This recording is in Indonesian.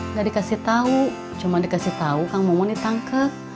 nggak dikasih tahu cuma dikasih tahu kang maman ditangkap